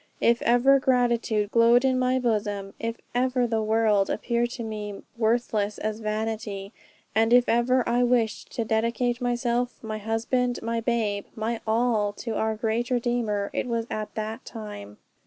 If ever gratitude glowed in my bosom, if ever the world appeared to me worthless as vanity, and if ever I wished to dedicate myself, my husband, my babe, my all, to our great Redeemer, it was at that time.